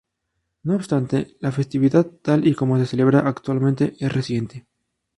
No obstante, la festividad tal y como se celebra actualmente, es reciente.